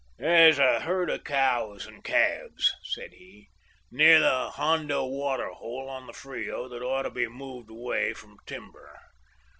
"There's a herd of cows and calves," said he, "near the Hondo water hole on the Frio that ought to be moved away from timber.